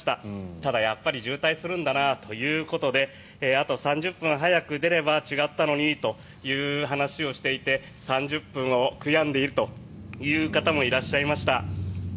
ただやっぱり渋滞するんだなということであと３０分早く出れば違ったのにという話をしていて３０分を悔やんでいるという方もいらっしゃいました。